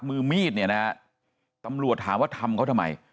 มือมีดเนี่ยนะฮะตำรวจถามว่าทำเขาทำไม